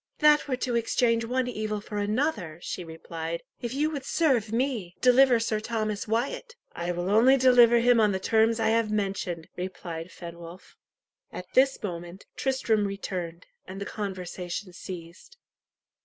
"That were to exchange one evil for another," she replied, "If you would serve me, deliver Sir Thomas Wyat." "I will only deliver him on the terms I have mentioned," replied Fenwolf. At this moment, Tristram returned, and the conversation ceased.